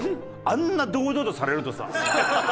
あんな堂々とされるとさ。